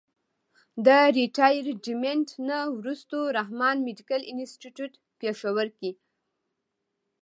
د ريټائرډ منټ نه وروستو رحمان مېډيکل انسټيتيوټ پيښور کښې